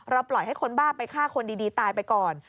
ปล่อยให้คนบ้าไปฆ่าคนดีตายไปก่อน